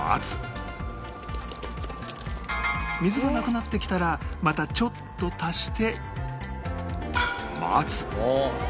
水がなくなってきたらまたちょっと足して